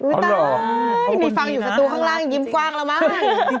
ไม่ตายมีฟังอยู่สตูพนน่างหลังยิ้มกว้างละมากนี้โอ้โฮดีนะ